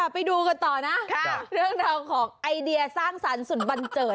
ไปดูกันต่อนะเรื่องราวของไอเดียสร้างสรรค์สุดบันเจิด